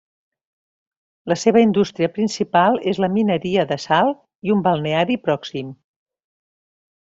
La seva indústria principal és la mineria de sal i un balneari pròxim.